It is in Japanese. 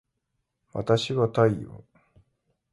わたしは太陽